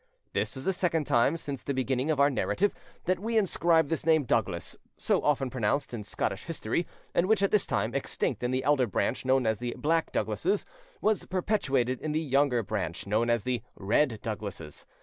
This is the second time since the beginning of our narrative that we inscribe this name Douglas, so often pronounced, in Scottish history, and which at this time, extinct in the elder branch, known as the Black Douglases, was perpetuated in the younger branch, known as the Red Douglases.